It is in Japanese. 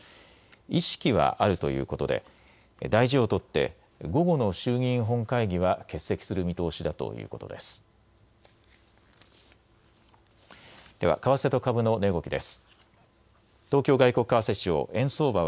意識はあるということで大事を取って午後の衆議院本会議は欠席する見通しだということです。